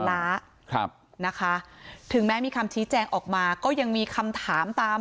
ล้าครับนะคะถึงแม้มีคำชี้แจงออกมาก็ยังมีคำถามตาม